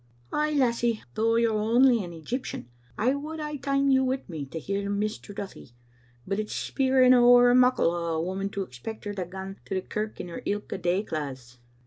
" Ay, lassie, though you're only an Egyptian I would hae ta'en you wi* me to hear Mr. Duthie, but it's speir ing ower muckle o' a woman to expect her to gang to the kirk in her ilka day claethes."